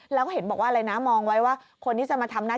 แล้วก็เห็นบอกว่าอะไรนะ